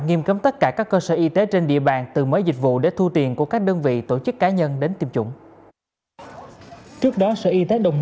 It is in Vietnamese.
hẹn gặp lại các bạn trong những video tiếp theo